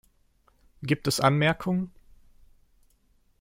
Gibt es Anmerkungen?